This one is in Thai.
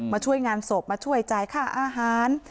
ช่วยงานศพมาช่วยจ่ายค่าอาหาร